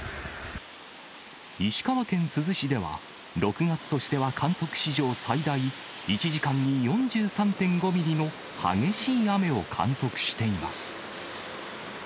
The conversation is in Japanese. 石川県珠洲市では、６月としては観測史上最大、１時間に４３．５ミリの激しい雨を観測しています。